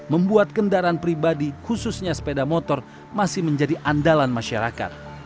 membuat kendaraan pribadi khususnya sepeda motor masih menjadi andalan masyarakat